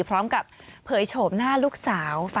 พร้อมกับเผยโฉมหน้าลูกสาว